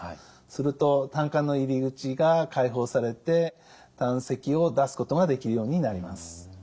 すると胆管の入り口が開放されて胆石を出すことができるようになります。